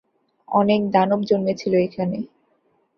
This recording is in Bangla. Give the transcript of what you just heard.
অনেক দানব জন্মেছিলো এখানে।